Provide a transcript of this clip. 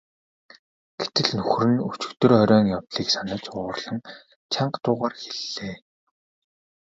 Гэтэл нөхөр нь өчигдөр оройн явдлыг санаж уурлан чанга дуугаар хэллээ.